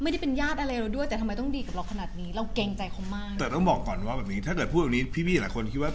แต่ต้องบอกก่อนว่าแบบนี้ถ้าเกิดพูดแบบนี้พี่หลายคนคิดว่า